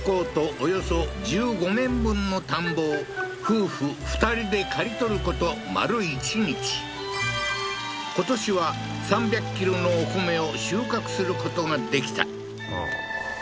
およそ１５面分の田んぼを夫婦２人で刈り取ること丸一日今年は３００ｋｇのお米を収穫することができた